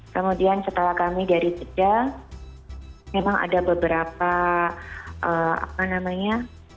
kemudian setelah kami dari jeda memang ada beberapa apa namanya